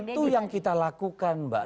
itu yang kita lakukan mbak